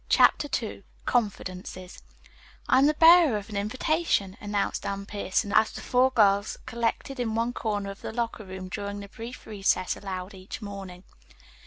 CHAPTER II CONFIDENCES "I am the bearer of an invitation," announced Anne Pierson as the four girls collected in one corner of the locker room during the brief recess allowed each morning.